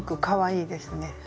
かわいいですね。